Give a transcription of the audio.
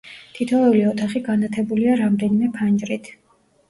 თითოეული ოთახი განათებულია რამდენიმე ფანჯრით.